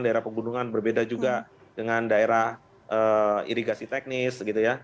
daerah pegunungan berbeda juga dengan daerah irigasi teknis gitu ya